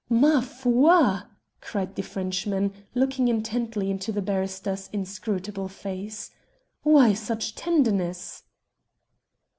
"Ma foi!" cried the Frenchman, looking intently into the barrister's inscrutable face. "Why such tenderness?"